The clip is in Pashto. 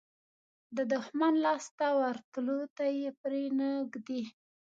د دښمن لاس ته ورتلو ته یې پرې نه ږدي.